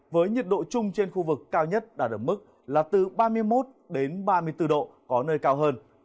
với nhiệt độ chung trên khu vực cao nhất đạt ở mức là từ ba mươi một đến ba mươi bốn độ có nơi cao hơn